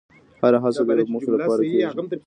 هره هڅه د یوې موخې لپاره کېږي.